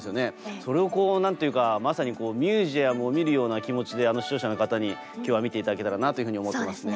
それを何と言うかまさにミュージアムを見るような気持ちで視聴者の方に今日は見て頂けたらなというふうに思ってますね。